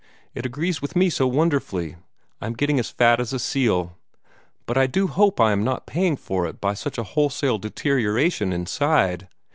It agrees with me so wonderfully I am getting as fat as a seal. But I do hope I am not paying for it by such a wholesale deterioration inside.